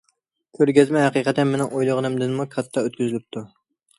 كۆرگەزمە ھەقىقەتەن مېنىڭ ئويلىغىنىمدىنمۇ كاتتا ئۆتكۈزۈلۈپتۇ.